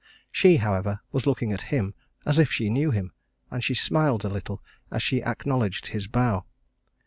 She, however, was looking at him as if she knew him, and she smiled a little as she acknowledged his bow.